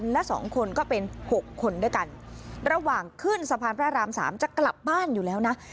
และสองคนก็เป็น๖คนด้วยกันระหว่างขึ้นสะพานพระรามสามจะกลับบ้านอยู่แล้วนะ